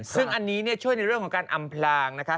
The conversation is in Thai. ซึ่งอันนี้ช่วยในการอำพลาง